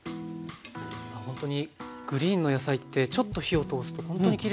ほんとにグリーンの野菜ってちょっと火を通すとほんとにきれいになりますね。